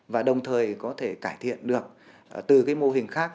và đồng thời có thể cải thiện được từ cái mô hình khác